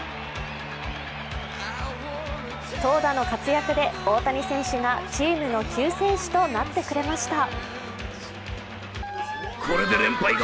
投打の活躍で大谷選手がチームの救世主となってくれました。